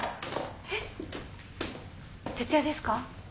えっ徹夜ですか？